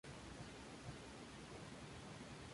Se abrevia fm.